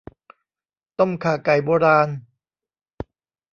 ต้มข่าไก่โบราณ